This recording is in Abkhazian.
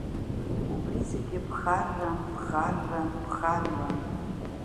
Убри зегьы ԥхарран, ԥхарран, ԥхарран.